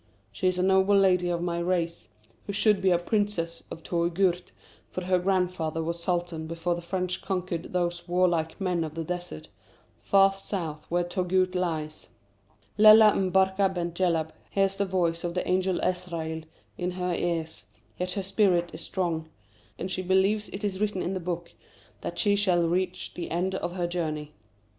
She is a noble lady of my race, who should be a Princess of Touggourt, for her grandfather was Sultan before the French conquered those warlike men of the desert, far south where Touggourt lies. Lella M'Barka Bent Djellab hears the voice of the Angel Azraïl in her ears, yet her spirit is strong, and she believes it is written in the Book that she shall reach the end of her journey.